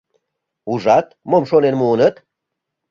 Ужат, мом шонен муыныт?